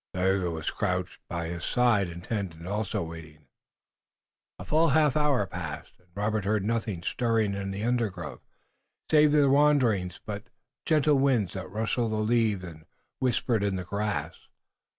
Tayoga was crouched by his side, intent and also waiting. A full half hour passed, and Robert heard nothing stirring in the undergrowth, save the wandering but gentle winds that rustled the leaves and whispered in the grass.